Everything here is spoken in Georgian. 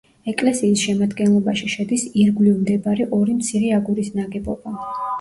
ეკლესიის შემადგენლობაში შედის ირგვლივ მდებარე ორი მცირე აგურის ნაგებობა.